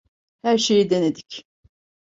Her şeyi denedik.